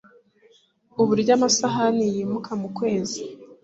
Uburyo Amasahani Yimuka mukwezi